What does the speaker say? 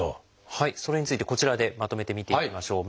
それについてこちらでまとめて見ていきましょう。